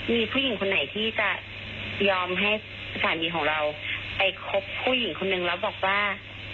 มีผู้หญิงคนไหนที่จะยอมให้สามีของเราไปคบผู้หญิงคนนึงแล้วบอกว่า